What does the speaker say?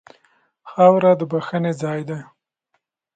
خاوره د بښنې ځای ده.